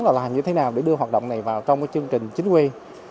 là làm như thế nào để đưa hoạt động này vào trong cái chương trình chính quy